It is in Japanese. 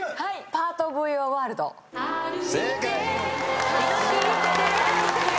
『パート・オブ・ユア・ワールド』正解。